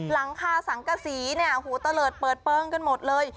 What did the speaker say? หลังคาสังกษีเนี่ยหูตะเลิศเปิดเปลืองกันหมดเลย